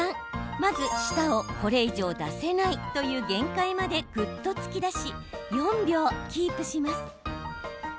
まず舌をこれ以上出せないという限界まで、ぐっと突き出し４秒キープします。